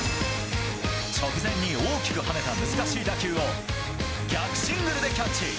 直前に大きく跳ねた難しい打球を、逆シングルでキャッチ。